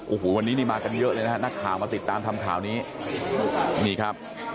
โอ้โหวันนี้นี่มากันเยอะเลยนะฮะนักข่าวมาติดตามทำข่าวนี้นี่ครับ